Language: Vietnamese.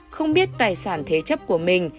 không biết tài sản thế chấp của mình